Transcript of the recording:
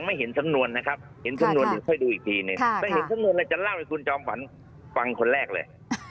ไม่เห็นสำนวนนะครับถ้าเห็นสำนวนล่ะจะเล่าคุณจอมฟันฟั่งคนแรกเลย